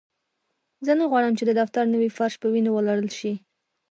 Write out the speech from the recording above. زه نه غواړم چې د دفتر نوی فرش په وینو ولړل شي